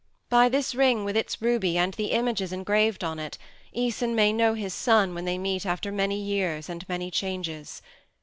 By this ring with its ruby and the images engraved on it Æson may know his son when they meet after many years and many changes.